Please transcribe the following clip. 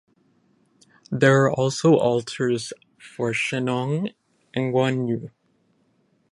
There are also altars for Shennong and Guan Yu.